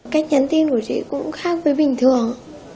cách nhắn tin của chị cũng khác với bình thường